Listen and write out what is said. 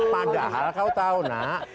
padahal kau tahu nak